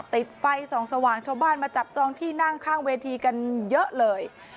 ติดไฟส่องสว่างชาวบ้านมาจับจองที่นั่งข้างเวทีกันเยอะเลย